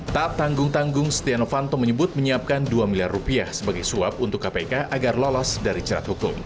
tak tanggung tanggung setia novanto menyebut menyiapkan dua miliar rupiah sebagai suap untuk kpk agar lolos dari cerat hukum